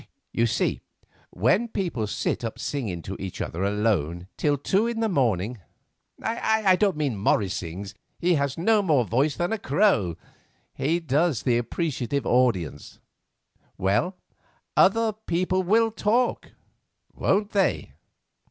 You see, when people sit up singing to each other alone till two in the morning—I don't mean that Morris sings, he has no more voice than a crow; he does the appreciative audience—well, other people will talk, won't they?"